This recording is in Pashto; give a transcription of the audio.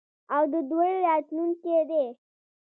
او د دوی راتلونکی دی.